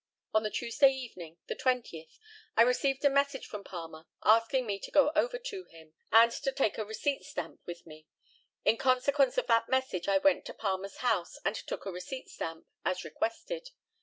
On the Tuesday evening, the 20th, I received a message from Palmer, asking me to go over to him, and to take a receipt stamp with me. In consequence of that message, I went to Palmer's house, and took a receipt stamp, as requested.